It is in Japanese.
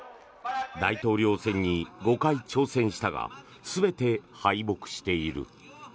大統領選に５回挑戦したが全て敗北している。